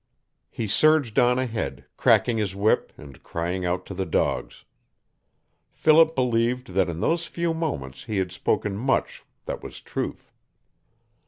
He surged on ahead, cracking his whip, and crying out to the dogs. Philip believed that in those few moments he had spoken much that was truth.